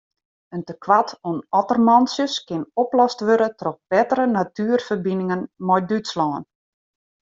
It tekoart oan ottermantsjes kin oplost wurde troch bettere natuerferbiningen mei Dútslân.